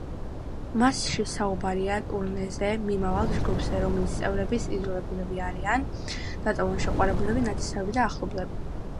მასში საუბარია ტურნეზე მიმავალ ჯგუფზე, რომლის წევრებიც იძულებულნი არიან, დატოვონ შეყვარებულები, ნათესავები და ახლობლები.